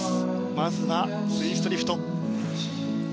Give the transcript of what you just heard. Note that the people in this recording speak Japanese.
まずは、ツイストリフト。